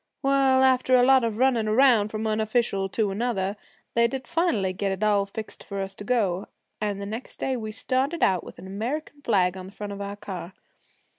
Well, after a lot of runnin' around from one official to another, they did finally get it all fixed for us to go, an' the next day we started out with an American flag on the front of our car.